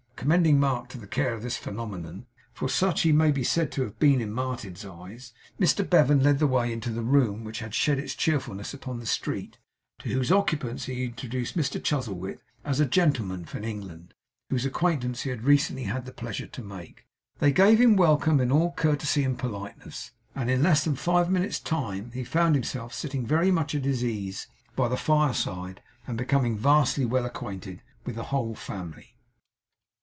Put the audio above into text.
Commending Mark to the care of this phenomenon for such he may be said to have been in Martin's eyes Mr Bevan led the way into the room which had shed its cheerfulness upon the street, to whose occupants he introduced Mr Chuzzlewit as a gentleman from England, whose acquaintance he had recently had the pleasure to make. They gave him welcome in all courtesy and politeness; and in less than five minutes' time he found himself sitting very much at his ease by the fireside, and becoming vastly well acquainted with the whole family.